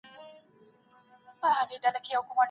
په هر حالت کي مثبت فکر کول د انسان ځواک زیاتوي.